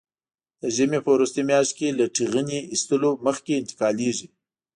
د ژمي په وروستۍ میاشت کې له ټېغنې ایستلو مخکې انتقالېږي.